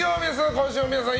今週も皆さん